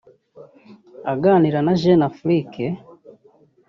Aganira na Jeune Afrique